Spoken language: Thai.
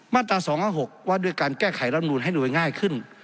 ม๒๖ว่าด้วยการแก้ไขลำนุนให้ดูยังไงขึ้น